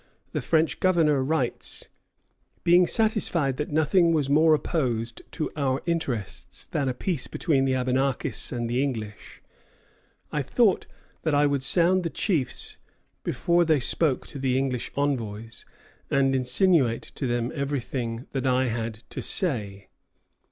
The French governor writes: "Being satisfied that nothing was more opposed to our interests than a peace between the Abenakis and the English, I thought that I would sound the chiefs before they spoke to the English envoys, and insinuate to them everything that I had to say."